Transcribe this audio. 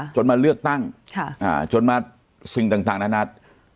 จนมาเลือกตั้งจนมาสิ่งต่างนานา